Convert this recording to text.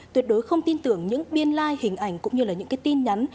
tuyệt đối không tin tưởng những biên lai hình ảnh cũng như là những cái tin nhắn